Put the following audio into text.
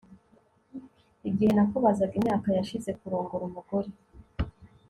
igihe nakubazaga imyaka yashize kurongora umugore